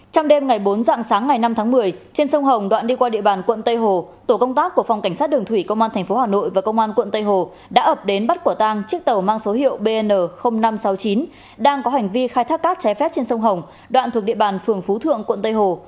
trong đêm ngày bốn dạng sáng ngày năm tháng một mươi trên sông hồng đoạn đi qua địa bàn quận tây hồ tổ công tác của phòng cảnh sát đường thủy công an tp hà nội và công an quận tây hồ đã ập đến bắt quả tang chiếc tàu mang số hiệu bn năm trăm sáu mươi chín đang có hành vi khai thác cát trái phép trên sông hồng đoạn thuộc địa bàn phường phú thượng quận tây hồ